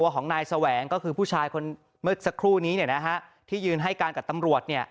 ก็คือผู้ชายคนเมื่อสักครู่นี้ที่ยืนให้การกับตำรวจ